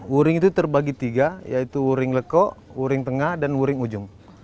wuring itu terbagi tiga yaitu wuring leko wuring tengah dan wuring ujung